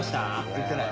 言ってない。